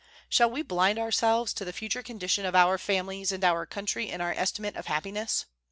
Shall we blind ourselves to the future condition of our families and our country in our estimate of happiness?